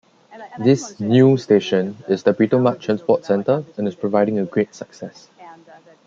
This "new" station is the Britomart Transport Centre, and is proving a great success.